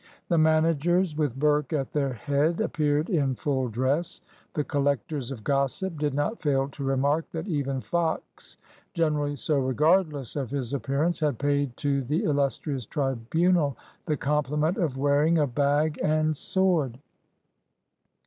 The managers, with Burke at their head, appeared in full dress. The collectors of gossip did not fail to remark that even Fox, generally so regardless of his appearance, had paid to the illustrious tribunal the compHment of wearing a bag and sword.